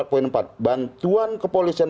poin empat bantuan kepolisian